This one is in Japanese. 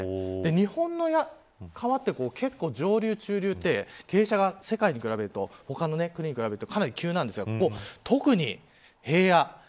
日本の川って結構、上流、中流で傾斜が他の国に比べるとかなり急なんですが特に平野。